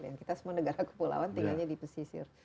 yang kita semua negara kepulauan tinggalnya di pesisir